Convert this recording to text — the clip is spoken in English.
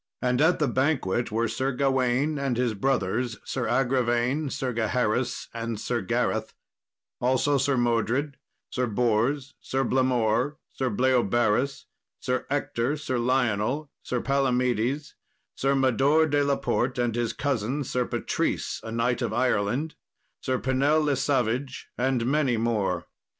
And at the banquet were Sir Gawain, and his brothers Sir Agravaine, Sir Gaheris, and Sir Gareth; also Sir Modred, Sir Bors, Sir Blamor, Sir Bleoberis, Sir Ector, Sir Lionel, Sir Palomedes, Sir Mador de la Port, and his cousin Sir Patrice a knight of Ireland, Sir Pinell le Savage, and many more.